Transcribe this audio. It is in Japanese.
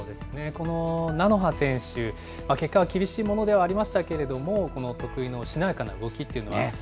このなのは選手、結果は厳しいものではありましたけれども、この得意のしなやかな動きっていうのは。